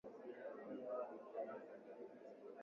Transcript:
laki sita sitini na sita nikta sifuri sifuri